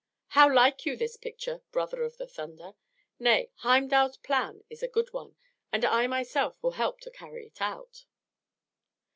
How like you this picture, brother of the thunder? Nay, Heimdal's plan is a good one, and I myself will help to carry it out."